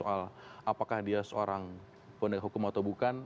apakah dia seorang pendek hukum atau bukan